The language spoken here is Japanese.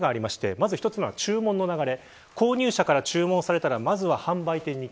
まず１つは注文の流れ。